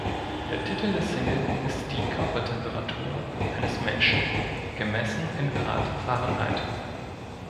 Der Titel der Single ist die Körpertemperatur eines Menschen, gemessen in Grad Fahrenheit.